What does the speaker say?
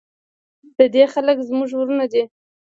د دې خلک زموږ ورونه دي؟